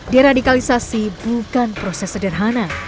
diradikalisasi bukan proses sederhana